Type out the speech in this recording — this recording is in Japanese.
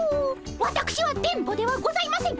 わたくしは電ボではございません。